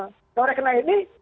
kalau orang kena itu